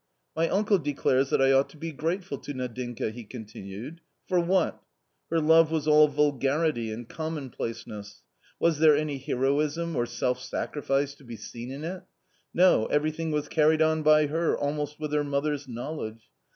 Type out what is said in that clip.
"My uncle declares that I ought to be grateful to Nadinka," he continued, " for what ? Her love was all vulgarity and commonplaceness. Was there any heroism or self sacrifice to be seen in it ? No, everything was carried on by her almost with her mother's knowledge